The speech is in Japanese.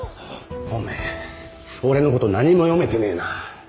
おめぇ俺のこと何も読めてねえな。